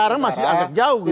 sekarang masih agak jauh